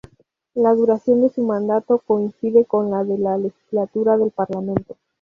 La duración de su mandato coincide con la de la legislatura del Parlamento.